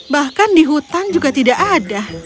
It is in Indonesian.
bahkan di hutan juga tidak ada